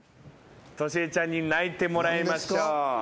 トシエちゃんに鳴いてもらいましょう。